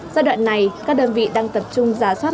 giai đoạn này các đơn vị đang tập trung giả soát